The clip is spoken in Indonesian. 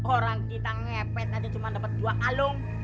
orang kita ngepet aja cuma dapet dua kalung